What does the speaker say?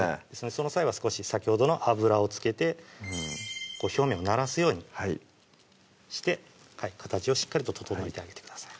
その際は少し先ほどの油を付けて表面をならすようにして形をしっかりと整えてあげてください